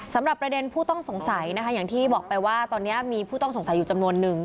สำหรับประเด็นผู้ต้องสงสัยนะคะอย่างที่บอกไปว่าตอนนี้มีผู้ต้องสงสัยอยู่จำนวนนึง